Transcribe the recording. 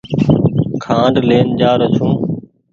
کآنڊ لين جآرو ڇون۔